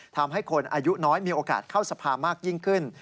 ทำให้คนอายุน้อยมีโอกาสเข้าสภามากยิ่งขึ้น